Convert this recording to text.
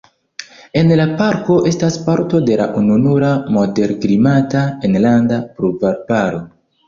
En la parko estas parto de la ununura moderklimata enlanda pluvarbaro.